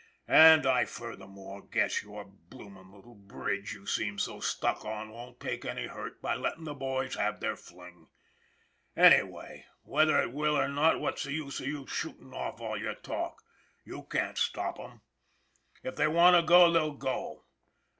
And I furthermore guess your bloomin' little bridge you seem so stuck on won't take any hurt by lettin' the boys have their fling. Anyway, whether it will or not, what's the use of you shootin' off all your talk? You can't stop 'em! If they want to go, they'll go.